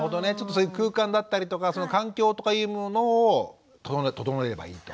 そういう空間だったりとか環境とかいうものを整えればいいと。